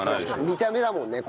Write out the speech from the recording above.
見た目だもんね